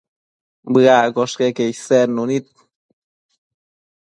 Bëaccosh queque isednu nid